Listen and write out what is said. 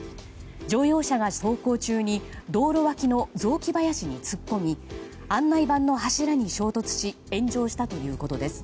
乗用車が走行中に、道路脇の雑木林に突っ込み案内板の柱に衝突し炎上したということです。